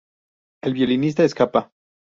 El violinista escapa.